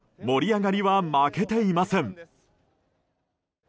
今回も盛り上がりは負けていません。